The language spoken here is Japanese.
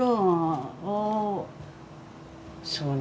そうね